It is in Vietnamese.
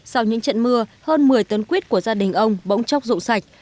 sau những trận mưa hơn một mươi tấn quyết của gia đình ông bỗng chốc rụng sạch